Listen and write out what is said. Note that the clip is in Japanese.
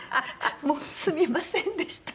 もう「すみませんでした」